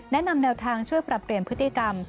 แนวทางช่วยปรับเปลี่ยนพฤติกรรม